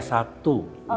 di lantai satu